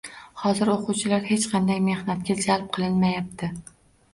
Hozir o‘quvchilar hech qanday mehnatga jalb qilinmayapti.